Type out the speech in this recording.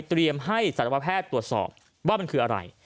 เตรียมให้สารพแพทย์ตรวจสอบว่ามันคืออะไร